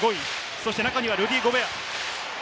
そして中にはルディ・ゴベア。